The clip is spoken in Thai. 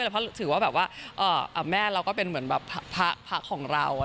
เพราะถือว่าแบบว่าแม่เราก็เป็นเหมือนแบบพระของเรา